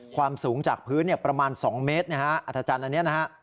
ความสูงจากพื้นประมาณ๒เมตรนะฮะอัธจันทร์อันนี้นะฮะ